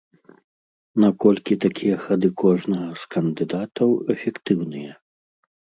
Наколькі такія хады кожнага з кандыдатаў эфектыўныя?